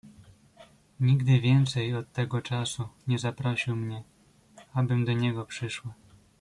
"Nigdy więcej od tego czasu nie zaprosił mnie, abym do niego przyszła."